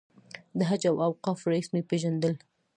د حج او اوقافو رییس مې پېژندل.